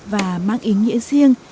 và mang ý nghĩa riêng